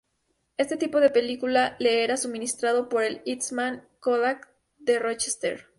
Este tipo de película le era suministrado por la Eastman Kodak de Rochester.